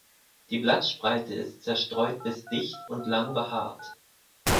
Die Blattspreite ist zerstreut bis dicht und lang behaart.